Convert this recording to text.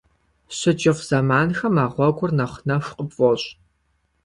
ЩыкӀыфӀ зэманхэм а гъуэгур нэхъ нэху къыпфӀощӏ.